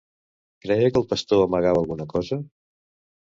Creia que el pastor amagava alguna cosa?